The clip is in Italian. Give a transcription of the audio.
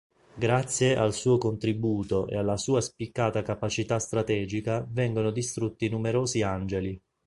Grazie al suo contributo e alla sua spiccata capacità strategica vengono distrutti numerosi Angeli.